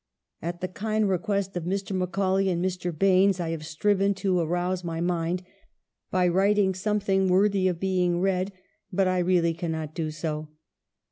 At the kind request of Mr. Macaulay and Mr. Baines, I have striven to arouse my mind by writing something worthy of being read, but I really cannot do so.